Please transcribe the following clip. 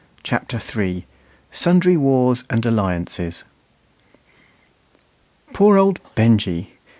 CHAPTER III SUNDRY WARS AND ALLIANCES. Poor old Benjy!